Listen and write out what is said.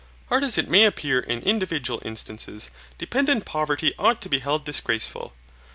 Hard as it may appear in individual instances, dependent poverty ought to be held disgraceful.